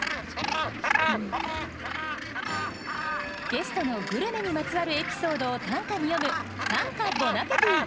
ゲストのグルメにまつわるエピソードを短歌に詠む「短歌ボナペティ」。